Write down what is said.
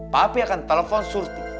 papi akan telepon surti